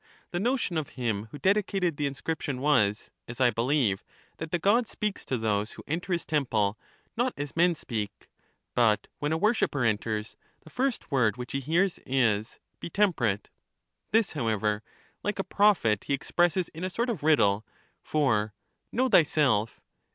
The notion of him who dedicated the inscription was, as I believe, that the god speaks to those who enter his temple not as men speak; but, when a worshipper enters, the first word which he hears is " Be temper ate! " This, however, like a prophet he expresses in a sort of riddle, for " Know thyself!